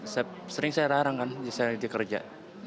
karena sering saya rarang kan selama dia kerja